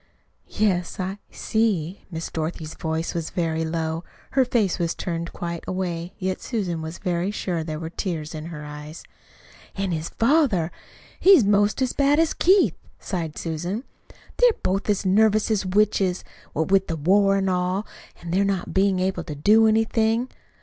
"Yes, I see." Miss Dorothy's voice was very low. Her face was turned quite away, yet Susan was very sure that there were tears in her eyes. "An' his father! he's 'most as bad as Keith," sighed Susan. "They're both as nervous as witches, what with the war an' all, an' they not bein' able to do anything.